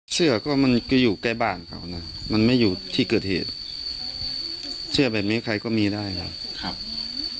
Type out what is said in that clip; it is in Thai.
เสื้อก็มันก็อยู่ใกล้บ้านเขานะมันไม่อยู่ที่เกิดเหตุเสื้อแบบนี้ใครก็มีได้ไงครับ